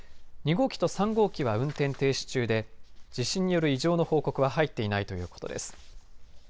２号機と３号機は運転停止中で地震による異常の報告は入っていないということです。